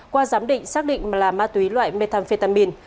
qua giám định xác định là ma túy loại methamphetamin